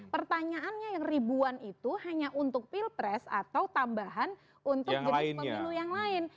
pertanyaannya yang ribuan itu hanya untuk pilpres atau tambahan untuk jenis pemilu yang lain